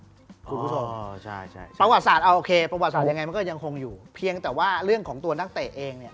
คุณผู้ชมประวัติศาสตร์โอเคประวัติศาสตยังไงมันก็ยังคงอยู่เพียงแต่ว่าเรื่องของตัวนักเตะเองเนี่ย